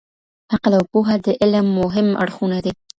عقل او پوهه د علم مهم اړخونه دي.